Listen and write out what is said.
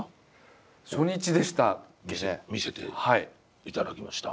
見せていただきました。